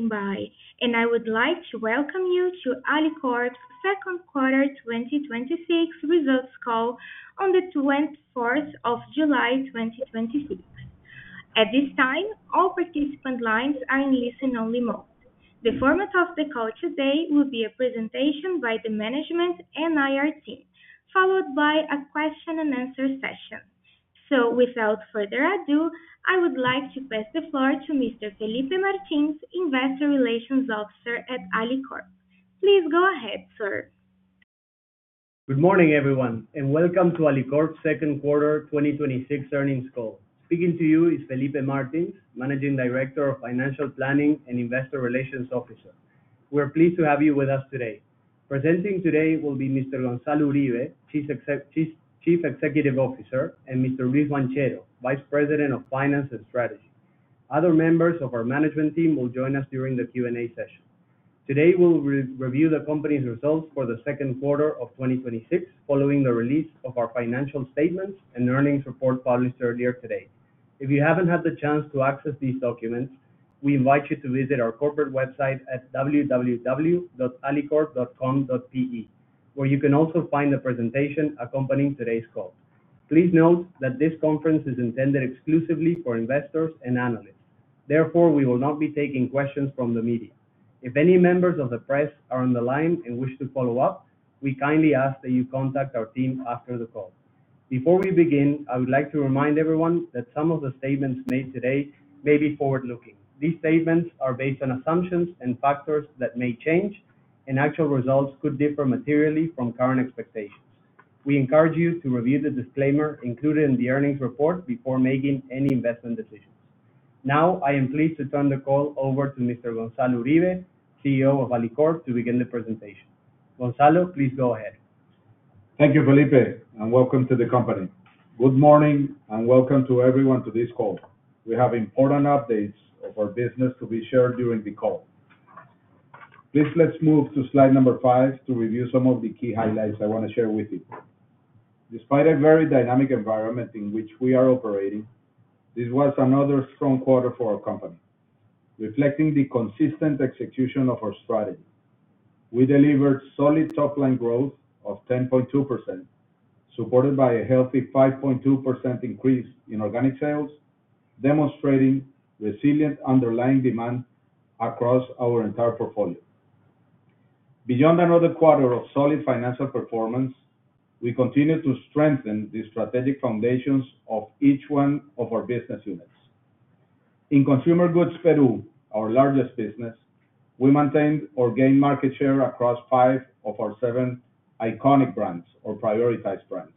Ladies and gentlemen, thank you for standing by. I would like to welcome you to Alicorp's Q2 2026 Results Call on the 24th of July 2026. At this time, all participant lines are in listen-only mode. The format of the call today will be a presentation by the management and IR team, followed by a question-and-answer session. Without further ado, I would like to pass the floor to Mr. Felipe Martins, Investor Relations Officer at Alicorp. Please go ahead, sir. Good morning, everyone. Welcome to Alicorp's Q2 2026 Earnings Call. Speaking to you is Felipe Martins, Managing Director of Financial Planning and Investor Relations Officer. We are pleased to have you with us today. Presenting today will be Mr. Gonzalo Uribe, Chief Executive Officer, and Mr. Luis Banchero, Vice President of Finance and Strategy. Other members of our management team will join us during the Q&A session. Today, we will review the company's results for the Q2 of 2026, following the release of our financial statements and earnings report published earlier today. If you haven't had the chance to access these documents, we invite you to visit our corporate website at www.alicorp.com.pe, where you can also find the presentation accompanying today's call. Please note that this conference is intended exclusively for Investors and Analysts. Therefore, we will not be taking questions from the media. If any members of the press are on the line and wish to follow up, we kindly ask that you contact our team after the call. Before we begin, I would like to remind everyone that some of the statements made today may be forward-looking. These statements are based on assumptions and factors that may change, and actual results could differ materially from current expectations. We encourage you to review the disclaimer included in the earnings report before making any investment decisions. I am pleased to turn the call over to Mr. Gonzalo Uribe, CEO of Alicorp, to begin the presentation. Gonzalo, please go ahead. Thank you, Felipe, and welcome to the company. Good morning and welcome to everyone to this call. We have important updates of our business to be shared during the call. Please, let's move to slide 5 to review some of the key highlights I want to share with you. Despite a very dynamic environment in which we are operating, this was another strong quarter for our company, reflecting the consistent execution of our strategy. We delivered solid top-line growth of 10.2%, supported by a healthy 5.2% increase in organic sales, demonstrating resilient underlying demand across our entire portfolio. Beyond another quarter of solid financial performance, we continue to strengthen the strategic foundations of each one of our business units. In Consumer Goods Peru, our largest business, we maintained or gained market share across five of our seven iconic brands or prioritized brands,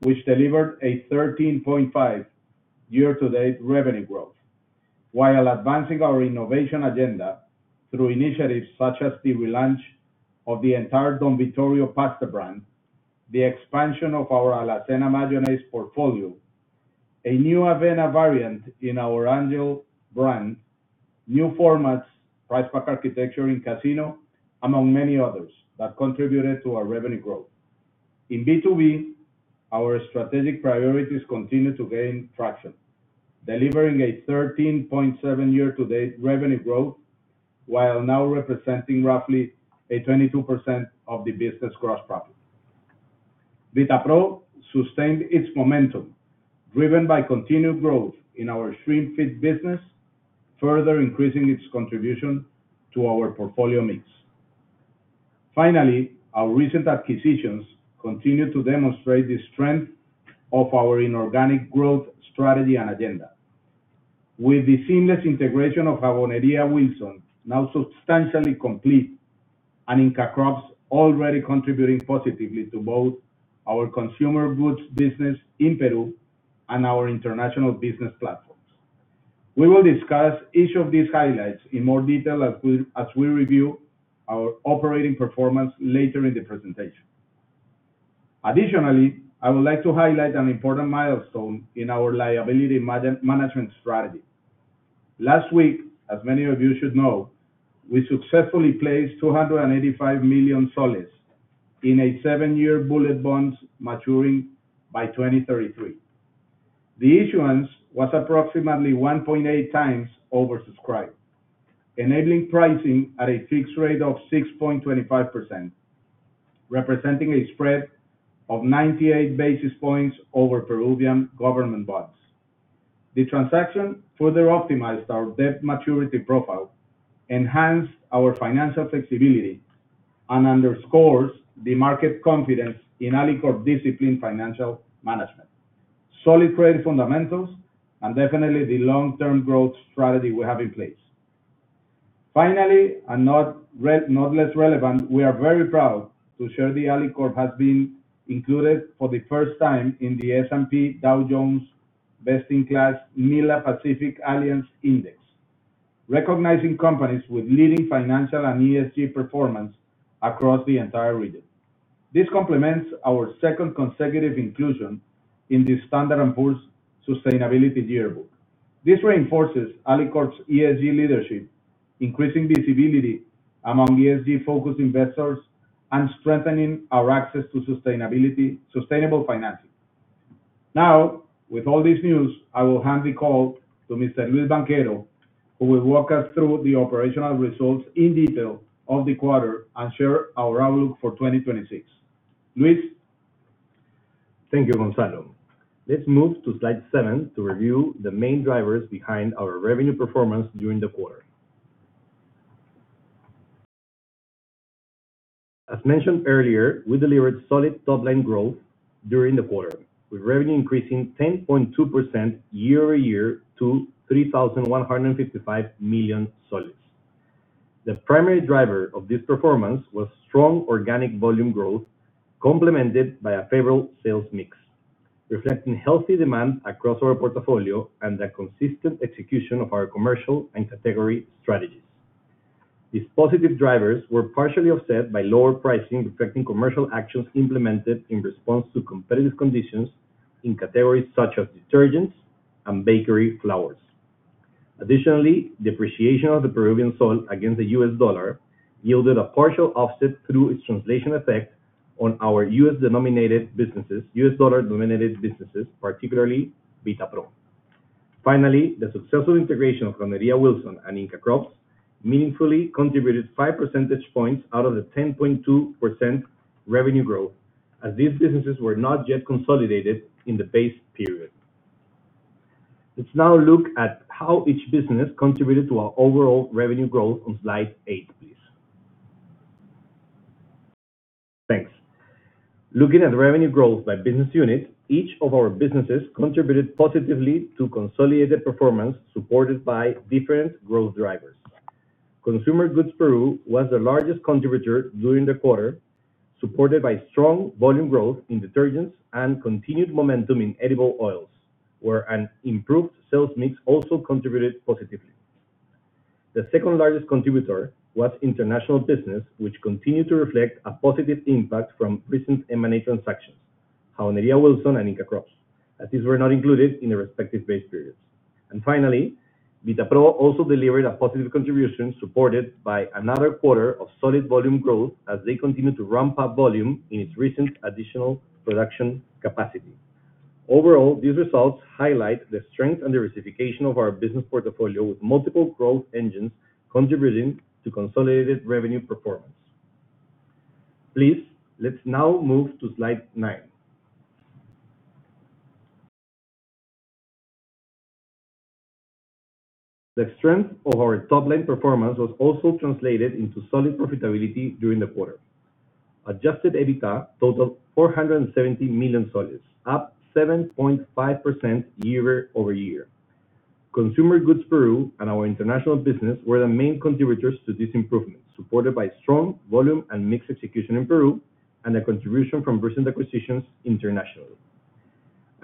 which delivered a 13.5% year-to-date revenue growth, while advancing our innovation agenda through initiatives such as the relaunch of the entire Don Vittorio pasta brand, the expansion of our AlaCena mayonnaise portfolio, a new avena variant in our Angel brand, new formats, price pack architecture in Casino, among many others that contributed to our revenue growth. In B2B, our strategic priorities continue to gain traction, delivering a 13.7% year-to-date revenue growth while now representing roughly a 22% of the business gross profit. Vitapro sustained its momentum, driven by continued growth in our shrimp feed business, further increasing its contribution to our portfolio mix. Finally, our recent acquisitions continue to demonstrate the strength of our inorganic growth strategy and agenda. With the seamless integration of Jabonería Wilson now substantially complete and Inka Crops already contributing positively to both our Consumer Goods business in Peru and our international business platforms. We will discuss each of these highlights in more detail as we review our operating performance later in the presentation. Additionally, I would like to highlight an important milestone in our liability management strategy. Last week, as many of you should know, we successfully placed PEN 285 million in a seven-year bullet bonds maturing by 2033. The issuance was approximately 1.8x oversubscribed, enabling pricing at a fixed rate of 6.25%, representing a spread of 98 basis points over Peruvian government bonds. The transaction further optimized our debt maturity profile, enhanced our financial flexibility, and underscores the market confidence in Alicorp's disciplined financial management, solid trade fundamentals, and definitely the long-term growth strategy we have in place. Finally, and not less relevant, we are very proud to share that Alicorp has been included for the first time in the S&P Dow Jones Best-in-Class MILA Pacific Alliance Index, recognizing companies with leading financial and ESG performance across the entire region. This complements our second consecutive inclusion in the S&P Global Sustainability Yearbook. This reinforces Alicorp's ESG leadership, increasing visibility among ESG-focused investors, and strengthening our access to sustainable financing. Now, with all this news, I will hand the call to Mr. Luis Banchero, who will walk us through the operational results in detail of the quarter and share our outlook for 2026. Luis? Thank you, Gonzalo. Let's move to slide 7 to review the main drivers behind our revenue performance during the quarter. As mentioned earlier, we delivered solid top line growth during the quarter, with revenue increasing 10.2% year-over-year to PEN 3,155 million. The primary driver of this performance was strong organic volume growth, complemented by a favorable sales mix, reflecting healthy demand across our portfolio and the consistent execution of our commercial and category strategies. These positive drivers were partially offset by lower pricing reflecting commercial actions implemented in response to competitive conditions in categories such as detergents and bakery flours. Additionally, depreciation of the Peruvian sol against the U.S. dollar yielded a partial offset through its translation effect on our U.S. dollar denominated businesses, particularly Vitapro. Finally, the successful integration of Jabonería Wilson and Inka Crops meaningfully contributed five percentage points out of the 10.2% revenue growth, as these businesses were not yet consolidated in the base period. Let's now look at how each business contributed to our overall revenue growth on slide eight, please. Thanks. Looking at revenue growth by business unit, each of our businesses contributed positively to consolidated performance, supported by different growth drivers. Consumer Goods Peru was the largest contributor during the quarter, supported by strong volume growth in detergents and continued momentum in edible oils, where an improved sales mix also contributed positively. The second largest contributor was International Business, which continued to reflect a positive impact from recent M&A transactions, Jabonería Wilson and Inka Crops, as these were not included in the respective base periods. Finally, Vitapro also delivered a positive contribution, supported by another quarter of solid volume growth as they continue to ramp up volume in its recent additional production capacity. Overall, these results highlight the strength and diversification of our business portfolio, with multiple growth engines contributing to consolidated revenue performance. Please, let's now move to slide 9. The strength of our top line performance was also translated into solid profitability during the quarter. Adjusted EBITDA totaled PEN 470 million, up 7.5% year-over-year. Consumer Goods Peru and our International Business were the main contributors to this improvement, supported by strong volume and mix execution in Peru, and the contribution from recent acquisitions internationally.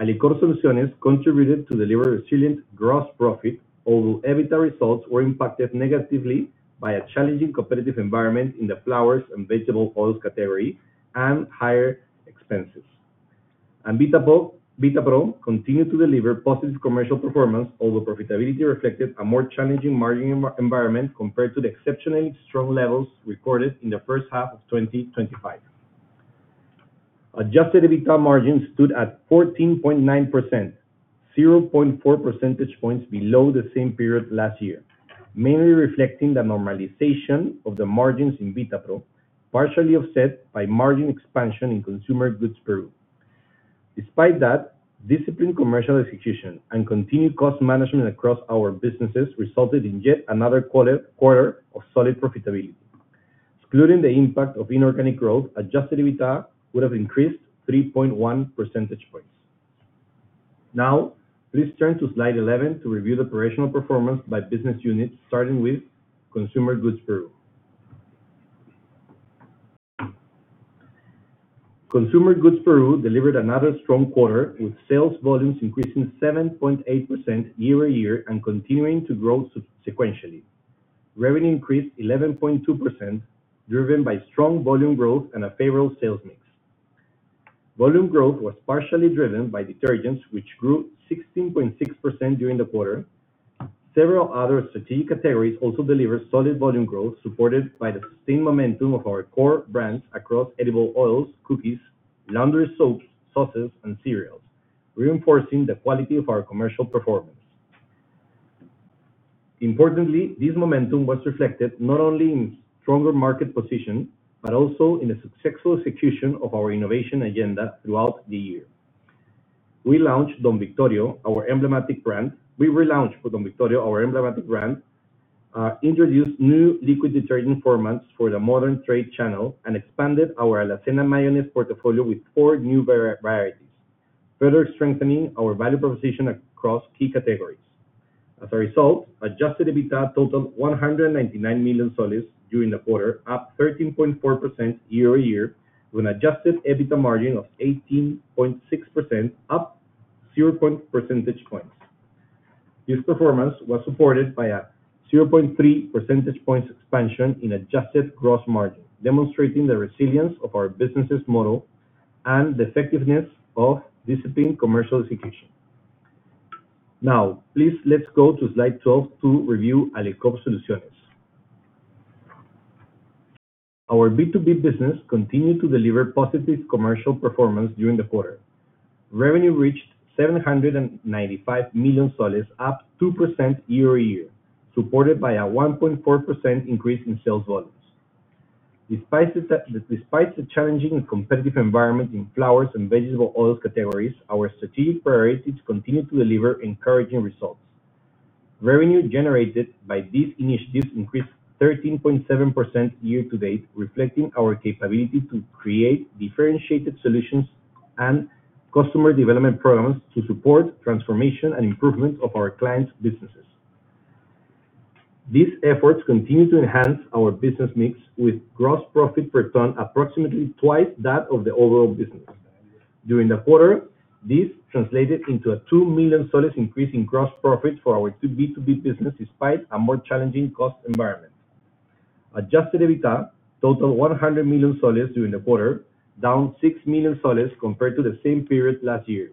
Alicorp Soluciones contributed to deliver resilient gross profit, although EBITDA results were impacted negatively by a challenging competitive environment in the flours and vegetable oils category and higher expenses. Vitapro continued to deliver positive commercial performance, although profitability reflected a more challenging margin environment compared to the exceptionally strong levels recorded in the first half of 2025. Adjusted EBITDA margin stood at 14.9%, 0.4 percentage points below the same period last year, mainly reflecting the normalization of the margins in Vitapro, partially offset by margin expansion in Consumer Goods Peru. Despite that, disciplined commercial execution and continued cost management across our businesses resulted in yet another quarter of solid profitability. Excluding the impact of inorganic growth, adjusted EBITDA would have increased 3.1 percentage points. Now, please turn to slide 11 to review the operational performance by business unit, starting with Consumer Goods Peru. Consumer Goods Peru delivered another strong quarter, with sales volumes increasing 7.8% year-over-year and continuing to grow sequentially. Revenue increased 11.2%, driven by strong volume growth and a favorable sales mix. Volume growth was partially driven by detergents, which grew 16.6% during the quarter. Several other strategic categories also delivered solid volume growth, supported by the sustained momentum of our core brands across edible oils, cookies, laundry soaps, sauces, and cereals, reinforcing the quality of our commercial performance. Importantly, this momentum was reflected not only in stronger market position, but also in the successful execution of our innovation agenda throughout the year. We relaunched Don Vittorio, our emblematic brand, introduced new liquid detergent formats for the modern trade channel, and expanded our AlaCena mayonnaise portfolio with four new varieties, further strengthening our value proposition across key categories. As a result, adjusted EBITDA totaled PEN 199 million during the quarter, up 13.4% year-over-year, with an adjusted EBITDA margin of 18.6%, up zero percentage points. This performance was supported by a 0.3 percentage points expansion in adjusted gross margin, demonstrating the resilience of our business model and the effectiveness of disciplined commercial execution. Please let's go to Slide 12 to review Alicorp Soluciones. Our B2B business continued to deliver positive commercial performance during the quarter. Revenue reached PEN 795 million, up 2% year-over-year, supported by a 1.4% increase in sales volumes. Despite the challenging competitive environment in flours and vegetable oils categories, our strategic priorities continue to deliver encouraging results. Revenue generated by these initiatives increased 13.7% year-to-date, reflecting our capability to create differentiated solutions and customer development programs to support transformation and improvement of our clients' businesses. These efforts continue to enhance our business mix with gross profit per ton, approximately twice that of the overall business. During the quarter, this translated into a PEN 2 million increase in gross profit for our B2B business, despite a more challenging cost environment. Adjusted EBITDA totaled PEN 100 million during the quarter, down PEN 6 million compared to the same period last year,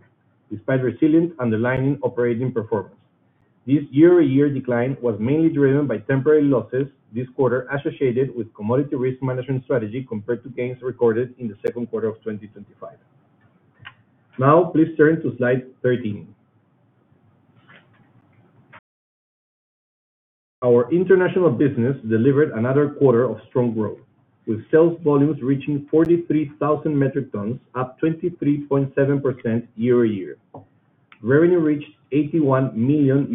despite resilient underlying operating performance. This year-over-year decline was mainly driven by temporary losses this quarter associated with commodity risk management strategy compared to gains recorded in the Q2 of 2025. Please turn to Slide 13. Our international business delivered another quarter of strong growth, with sales volumes reaching 43,000 metric tons, up 23.7% year-over-year. Revenue reached $81 million,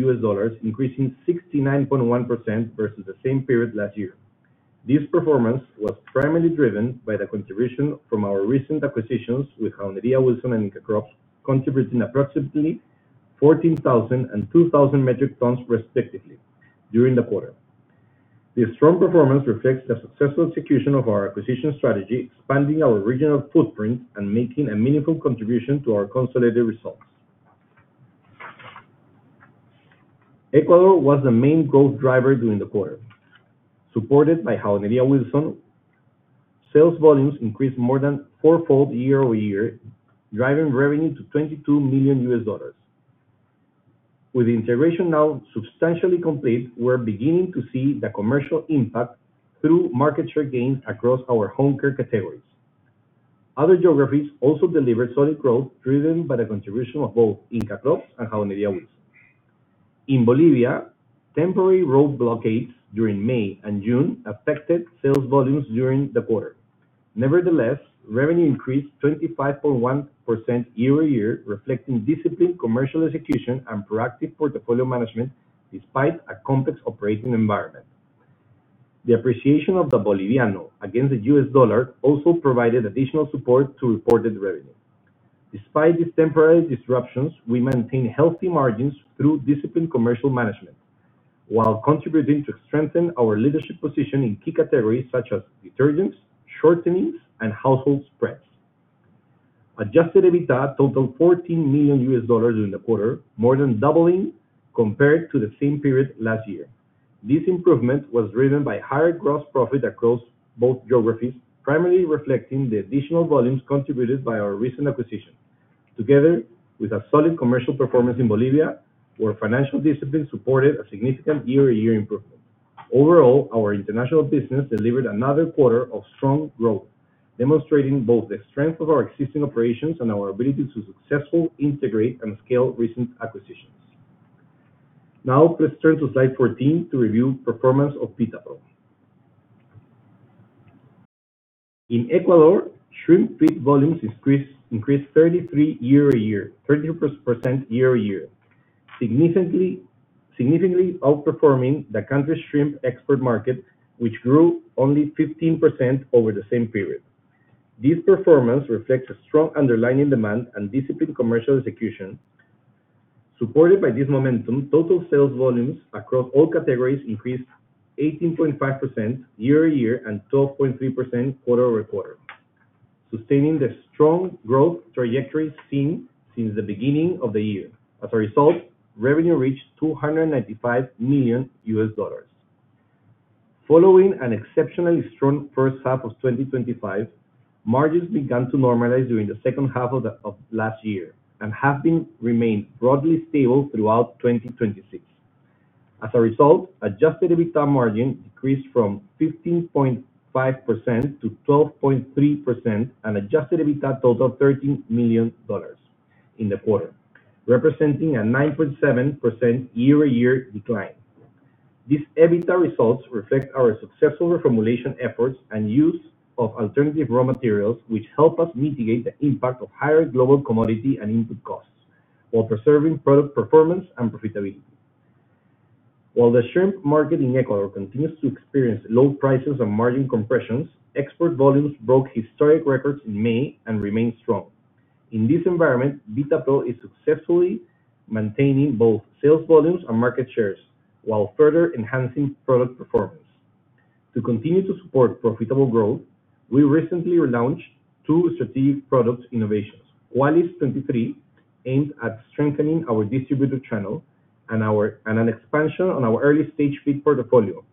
increasing 69.1% versus the same period last year. This performance was primarily driven by the contribution from our recent acquisitions, with Jabonería Wilson and Inka Crops contributing approximately 14,000 and 2,000 metric tons respectively during the quarter. This strong performance reflects the successful execution of our acquisition strategy, expanding our regional footprint and making a meaningful contribution to our consolidated results. Ecuador was the main growth driver during the quarter, supported by Jabonería Wilson. Sales volumes increased more than fourfold year-over-year, driving revenue to $22 million. With the integration now substantially complete, we're beginning to see the commercial impact through market share gains across our home care categories. Other geographies also delivered solid growth, driven by the contribution of both Inka Crops and Jabonería Wilson. In Bolivia, temporary road blockades during May and June affected sales volumes during the quarter. Nevertheless, revenue increased 25.1% year-over-year, reflecting disciplined commercial execution and proactive portfolio management despite a complex operating environment. The appreciation of the Boliviano against the U.S. dollar also provided additional support to reported revenue. Despite these temporary disruptions, we maintain healthy margins through disciplined commercial management while contributing to strengthen our leadership position in key categories such as detergents, shortenings, and household spreads. Adjusted EBITDA totaled $14 million in the quarter, more than doubling compared to the same period last year. This improvement was driven by higher gross profit across both geographies, primarily reflecting the additional volumes contributed by our recent acquisition, together with a solid commercial performance in Bolivia, where financial discipline supported a significant year-to-year improvement. Overall, our international business delivered another quarter of strong growth, demonstrating both the strength of our existing operations and our ability to successfully integrate and scale recent acquisitions. Let's turn to Slide 14 to review performance of Vitapro. In Ecuador, shrimp feed volumes increased 33% year-over-year, significantly outperforming the country's shrimp export market, which grew only 15% over the same period. This performance reflects a strong underlying demand and disciplined commercial execution. Supported by this momentum, total sales volumes across all categories increased 18.5% year-over-year and 12.3% quarter-over-quarter, sustaining the strong growth trajectory seen since the beginning of 2025. As a result, revenue reached $295 million. Following an exceptionally strong first half of 2025, margins began to normalize during the second half of last year and have remained broadly stable throughout 2026. As a result, adjusted EBITDA margin decreased from 15.5%-12.3%, an adjusted EBITDA total of PEN 470 million in the quarter, representing a 9.7% year-over-year decline. These EBITDA results reflect our successful reformulation efforts and use of alternative raw materials, which help us mitigate the impact of higher global commodity and input costs while preserving product performance and profitability. While the shrimp market in Ecuador continues to experience low prices and margin compressions, export volumes broke historic records in May and remain strong. In this environment, Vitapro is successfully maintaining both sales volumes and market shares while further enhancing product performance. To continue to support profitable growth, we recently relaunched two strategic product innovations. Qualis 23 aims at strengthening our distributor channel and an expansion on our early-stage feed portfolio,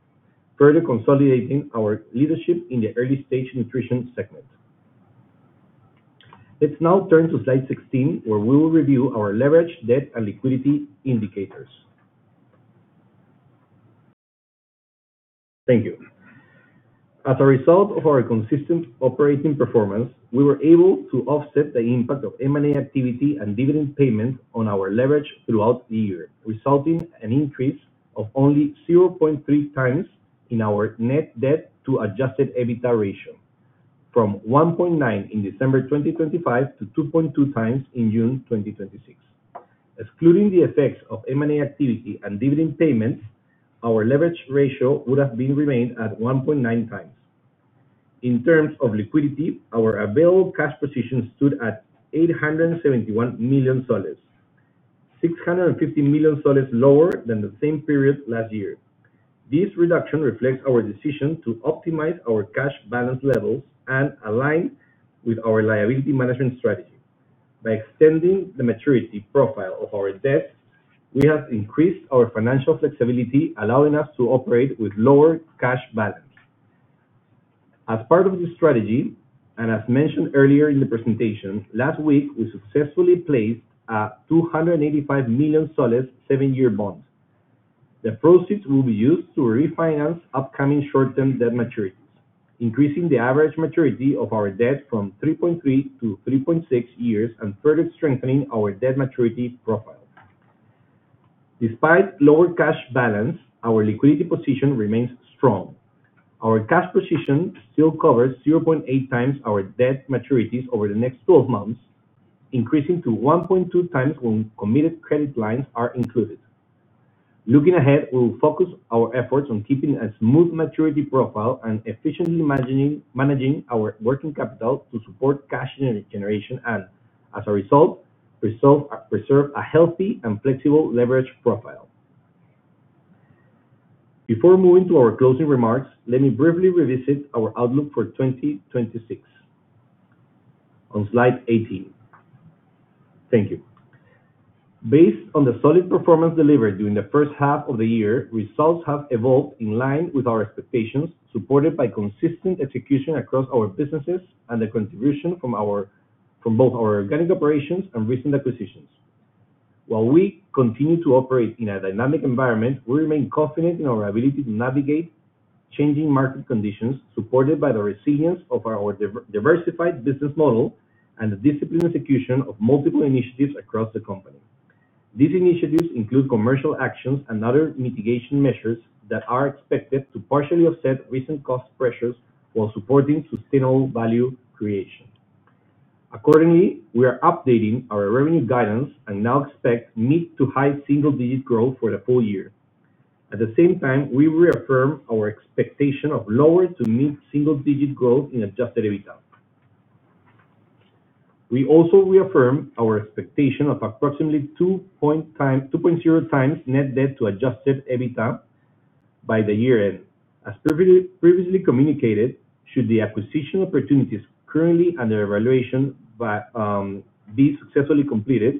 further consolidating our leadership in the early-stage nutrition segment. Let's now turn to slide 16, where we will review our leverage debt and liquidity indicators. Thank you. As a result of our consistent operating performance, we were able to offset the impact of M&A activity and dividend payments on our leverage throughout the year, resulting in an increase of only 0.3x in our net debt to adjusted EBITDA ratio, from 1.9 in December 2025 to 2.2x in June 2026. Excluding the effects of M&A activity and dividend payments, our leverage ratio would have remained at 1.9x. In terms of liquidity, our available cash position stood at $871 million, $650 million lower than the same period last year. This reduction reflects our decision to optimize our cash balance levels and align with our liability management strategy. By extending the maturity profile of our debt, we have increased our financial flexibility, allowing us to operate with lower cash balance. As part of this strategy, and as mentioned earlier in the presentation, last week, we successfully placed a PEN 285 million seven-year bond. The proceeds will be used to refinance upcoming short-term debt maturities, increasing the average maturity of our debt from 3.3-3.6 years and further strengthening our debt maturity profile. Despite lower cash balance, our liquidity position remains strong. Our cash position still covers 0.8x our debt maturities over the next 12 months, increasing to 1.2x when committed credit lines are included. Looking ahead, we will focus our efforts on keeping a smooth maturity profile and efficiently managing our working capital to support cash generation, and as a result, preserve a healthy and flexible leverage profile. Before moving to our closing remarks, let me briefly revisit our outlook for 2026 on slide 18. Thank you. Based on the solid performance delivered during the first half of the year, results have evolved in line with our expectations, supported by consistent execution across our businesses and the contribution from both our organic operations and recent acquisitions. While we continue to operate in a dynamic environment, we remain confident in our ability to navigate changing market conditions, supported by the resilience of our diversified business model and the disciplined execution of multiple initiatives across the company. These initiatives include commercial actions and other mitigation measures that are expected to partially offset recent cost pressures while supporting sustainable value creation. Accordingly, we are updating our revenue guidance and now expect mid to high single-digit growth for the full year. At the same time, we reaffirm our expectation of lower to mid single-digit growth in adjusted EBITDA. We also reaffirm our expectation of approximately 2.0x net debt to adjusted EBITDA by the year end. As previously communicated, should the acquisition opportunities currently under evaluation be successfully completed,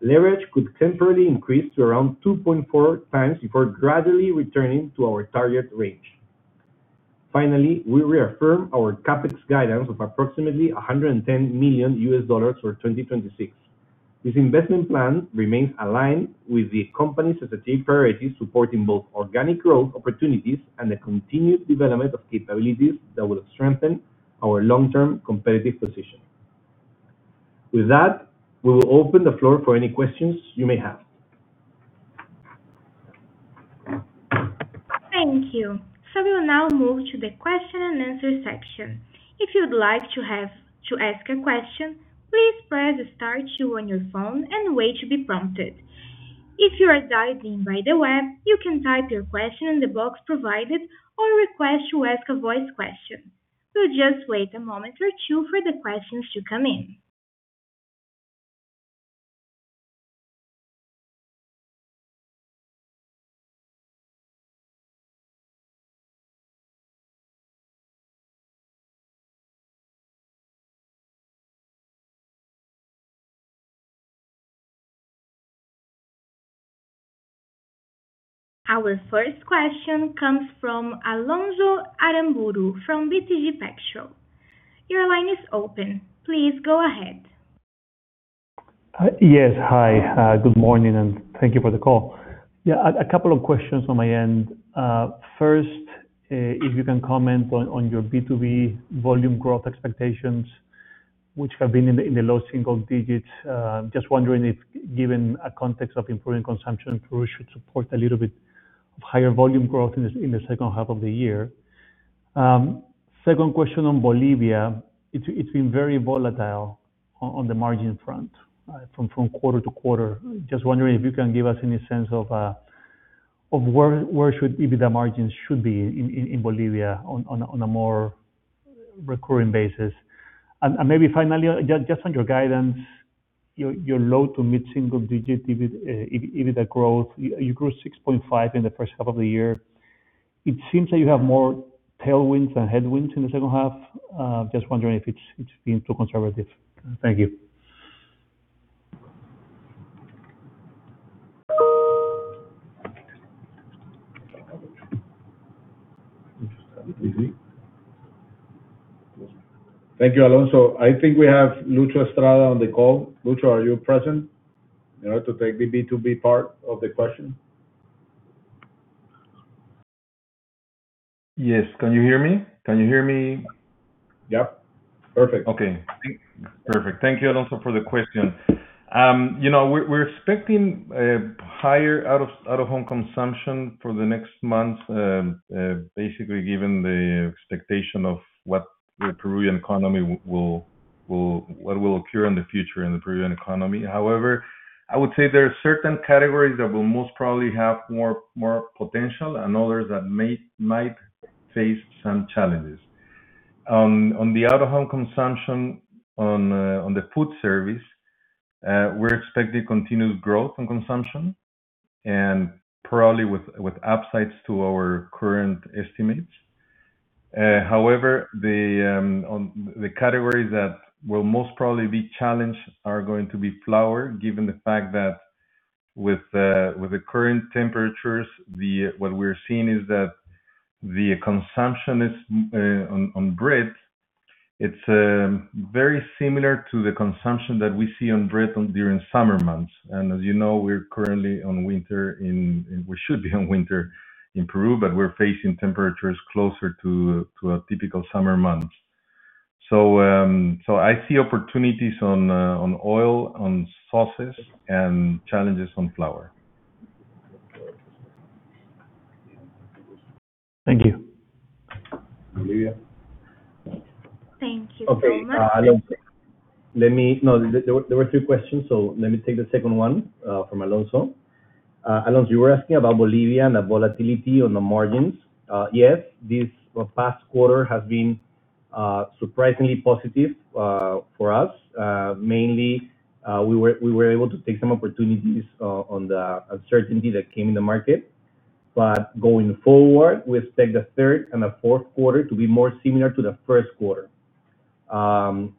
leverage could temporarily increase to around 2.4x before gradually returning to our target range. Finally, we reaffirm our CapEx guidance of approximately $110 million for 2026. This investment plan remains aligned with the company's strategic priorities, supporting both organic growth opportunities and the continued development of capabilities that will strengthen our long-term competitive position. With that, we will open the floor for any questions you may have. Thank you. We will now move to the question-and-answer section. If you'd like to ask a question, please press *2 on your phone and wait to be prompted. If you are dialed in by the web, you can type your question in the box provided or request to ask a voice question. We'll just wait a moment or two for the questions to come in. Our first question comes from Alonso Aramburu from BTG Pactual. Your line is open. Please go ahead. Yes. Hi. Good morning, and thank you for the call. A couple of questions on my end. First, if you can comment on your B2B volume growth expectations, which have been in the low single digits. Just wondering if, given a context of improving consumption, Peru should support a little bit of higher volume growth in the second half of the year. Second question on Bolivia. It's been very volatile on the margin front from quarter-to-quarter. Just wondering if you can give us any sense of where should EBITDA margins be in Bolivia on a more recurring basis. Finally, just on your guidance, your low to mid single-digit EBITDA growth. You grew 6.5% in the first half of the year. It seems like you have more tailwinds than headwinds in the second half. Just wondering if it's being too conservative. Thank you. Thank you, Alonso. I think we have Lucho Estrada on the call. Lucho, are you present to take the B2B part of the question? Yes. Can you hear me? Yeah. Perfect. Okay, perfect. Thank you, Alonso, for the question. We're expecting a higher out-of-home consumption for the next month, basically, given the expectation of what will occur in the future in the Peruvian economy. However, I would say there are certain categories that will most probably have more potential, and others that might face some challenges. On the out-of-home consumption, on the food service, we're expecting continued growth on consumption, and probably with upsides to our current estimates. However, the categories that will most probably be challenged are going to be flour, given the fact that with the current temperatures, what we're seeing is that the consumption on bread, it's very similar to the consumption that we see on bread during summer months. As you know, we should be on winter in Peru, but we're facing temperatures closer to a typical summer month. I see opportunities on oil, on sauces, and challenges on flour. Thank you. Thank you so much. Okay. There were three questions, so let me take the second one from Alonso. Alonso, you were asking about Bolivia and the volatility on the margins. Yes, this past quarter has been surprisingly positive for us. Mainly, we were able to take some opportunities on the uncertainty that came in the market. Going forward, we expect the Q3 and the Q4 to be more similar to the Q1.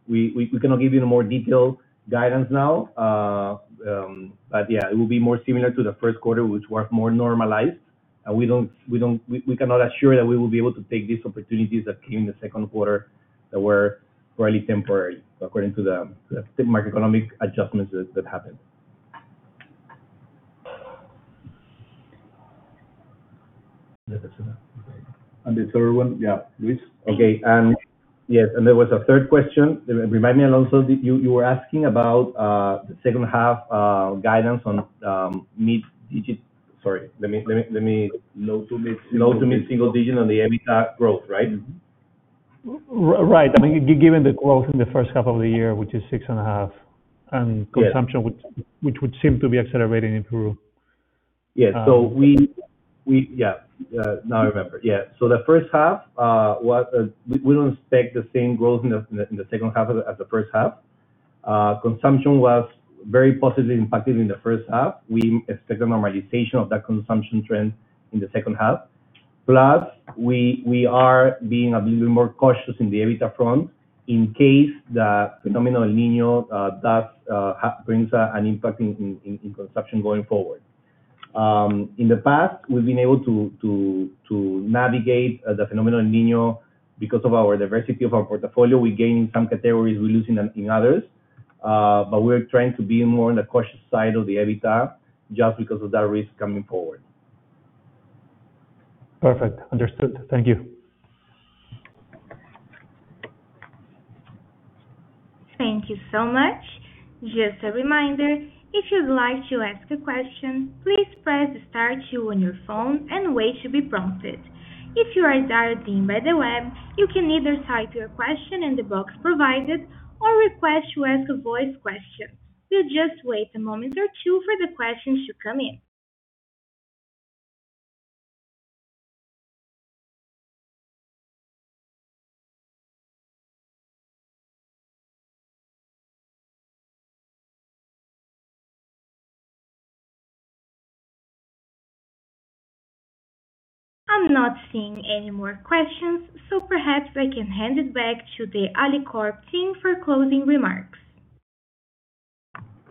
We cannot give you more detailed guidance now. Yeah, it will be more similar to the Q1, which was more normalized. We cannot assure that we will be able to take these opportunities that came in the Q2 that were fairly temporary, according to the macroeconomic adjustments that happened. The third one, yeah, Luis? Okay. Yes, there was a third question. Remind me, Alonso, you were asking about the second half guidance on mid digit. Low to mid single. Low to mid-single digit on the EBITDA growth, right? Right. Given the growth in the first half of the year, which is six and a half, and consumption, which would seem to be accelerating in Peru. Yeah. Now I remember. Yeah. The first half, we don't expect the same growth in the second half as the first half. Consumption was very positively impacted in the first half. We expect the normalization of that consumption trend in the second half. Plus, we are being a little bit more cautious in the EBITDA front in case the phenomenal El Niño does brings an impact in consumption going forward. In the past, we've been able to navigate the phenomenal El Niño because of our diversity of our portfolio. We gain in some categories, we lose in others. We're trying to be more on the cautious side of the EBITDA just because of that risk coming forward. Perfect. Understood. Thank you. Thank you so much. Just a reminder, if you'd like to ask a question, please press *2 on your phone and wait to be prompted. If you are dialing in by the web, you can either type your question in the box provided or request to ask a voice question. We'll just wait a moment or two for the questions to come in. I'm not seeing any more questions, perhaps I can hand it back to the Alicorp team for closing remarks.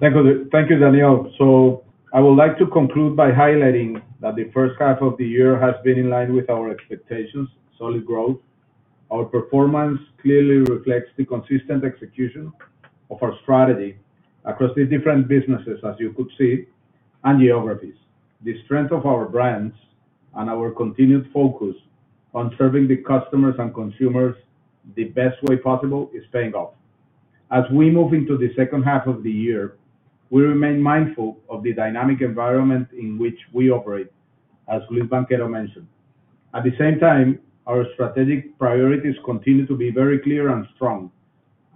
Thank you, Danielle. I would like to conclude by highlighting that the first half of the year has been in line with our expectations, solid growth. Our performance clearly reflects the consistent execution of our strategy across the different businesses, as you could see, and geographies. The strength of our brands and our continued focus on serving the customers and consumers the best way possible is paying off. As we move into the second half of the year, we remain mindful of the dynamic environment in which we operate, as Luis Banchero mentioned. At the same time, our strategic priorities continue to be very clear and strong,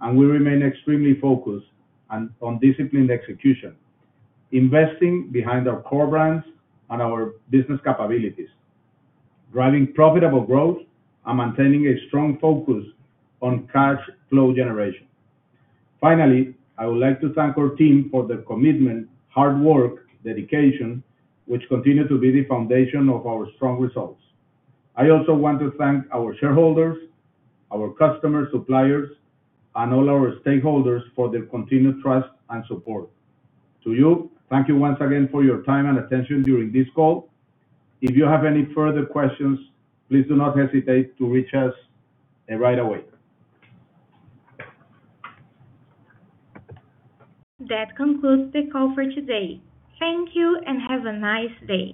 and we remain extremely focused on disciplined execution, investing behind our core brands and our business capabilities, driving profitable growth, and maintaining a strong focus on cash flow generation. Finally, I would like to thank our team for their commitment, hard work, dedication, which continue to be the foundation of our strong results. I also want to thank our shareholders, our customers, suppliers, and all our stakeholders for their continued trust and support. To you, thank you once again for your time and attention during this call. If you have any further questions, please do not hesitate to reach us right away. That concludes the call for today. Thank you and have a nice day.